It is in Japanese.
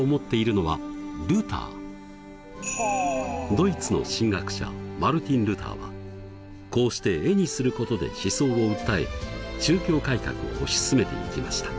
ドイツの神学者マルティン・ルターはこうして絵にすることで思想を訴え宗教改革を推し進めていきました。